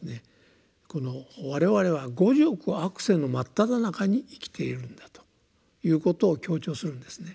我々は五濁悪世の真っただ中に生きているんだということを強調するんですね。